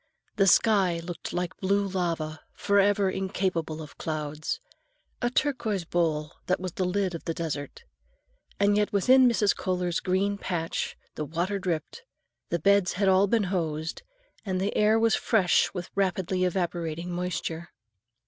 The sky looked like blue lava, forever incapable of clouds,—a turquoise bowl that was the lid of the desert. And yet within Mrs. Kohler's green patch the water dripped, the beds had all been hosed, and the air was fresh with rapidly evaporating moisture.